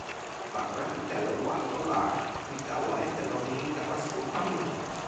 pana pi telo walo la, mi tawa e telo mi tawa supa mi.